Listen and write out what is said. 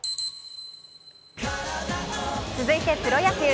続いてプロ野球。